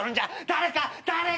誰か！